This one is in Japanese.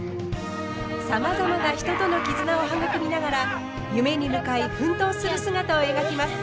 さまざまな人との絆を育みながら夢に向かい奮闘する姿を描きます。